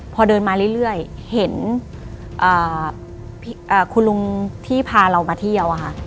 พอเดินมาเรื่อยเห็นคุณลุงที่พาเรามาเที่ยวค่ะ